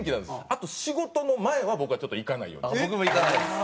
あと仕事の前は僕はちょっと行かないようにしてます。